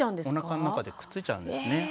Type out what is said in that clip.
おなかの中でくっついちゃうんですね。